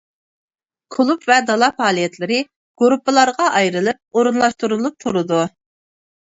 كۇلۇب ۋە دالا پائالىيەتلىرى گۇرۇپپىلارغا ئايرىلىپ ئورۇنلاشتۇرۇلۇپ تۇرىدۇ.